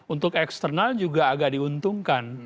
untuk eksternal juga agak diuntungkan